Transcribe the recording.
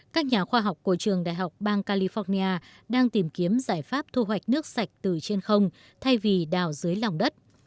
các nhà khoa học của trường đại học bang california đang tìm kiếm giải pháp thu hoạch nước sạch từ trên không thay vì đào dưới lòng đất